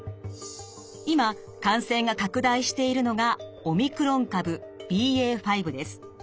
今感染が拡大しているのがオミクロン株ＢＡ．５です。